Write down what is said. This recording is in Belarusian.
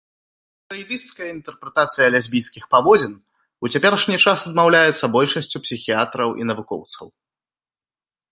Фрэйдысцкая інтэрпрэтацыя лесбійскіх паводзін у цяперашні час адмаўляецца большасцю псіхіятраў і навукоўцаў.